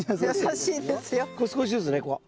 こう少しずつねこう。